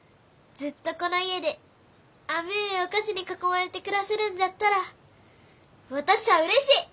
ずっとこの家で甘えお菓子に囲まれて暮らせるんじゃったら私ゃあうれしい！